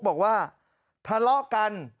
บอกว่าทะเลาะกัน